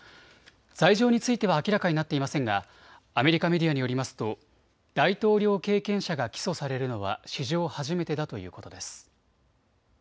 罪状については明らかになっていませんがアメリカメディアによりますと大統領経験者が起訴されるのは史上初めてだということです。